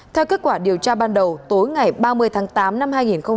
theo kết quả điều tra ban đầu tối ngày ba mươi tháng tám năm hai nghìn hai mươi ba